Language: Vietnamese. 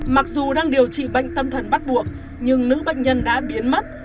mặc dù đang điều trị bệnh tâm thần bắt buộc nhưng nữ bệnh nhân đã biến mất